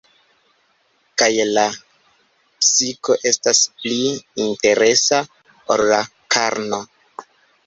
Kaj la psiko estas pli interesa ol la karno.